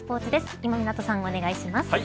今湊さん、お願いします。